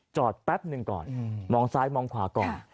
แป๊บหนึ่งก่อนมองซ้ายมองขวาก่อน